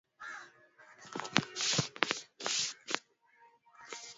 za kijamii lakini hawakuwa na mamlaka ya mambo ya nje au Ulinzi wa nje